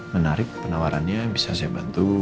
menarik penawarannya bisa saya bantu